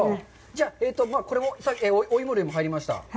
じゃあ、これもお芋類も入りました。